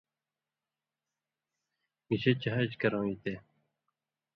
گِشے چے حج کرؤں یی تے